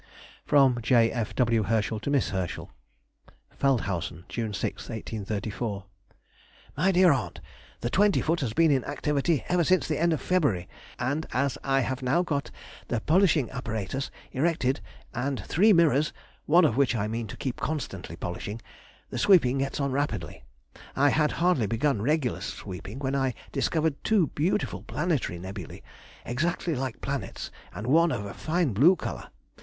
FROM J. F. W. HERSCHEL TO MISS HERSCHEL. FELDHAUSEN, June 6, 1834. MY DEAR AUNT,— The twenty foot has been in activity ever since the end of February, and, as I have now got the polishing apparatus erected and three mirrors (one of which I mean to keep constantly polishing) the sweeping gets on rapidly. I had hardly begun regular sweeping, when I discovered two beautiful planetary nebulæ, exactly like planets, and one of a fine blue colour.